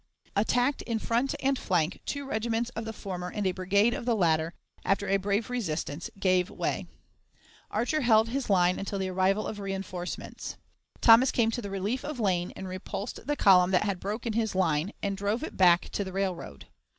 Attacked in front and flank, two regiments of the former and a brigade of the latter, after a brave resistance, gave way. Archer held his line until the arrival of reënforcements. Thomas came to the relief of Lane and repulsed the column that had broken his line, and drove it back to the railroad.